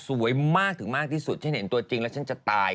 สวยมากถึงมากที่สุดฉันเห็นตัวจริงแล้วฉันจะตาย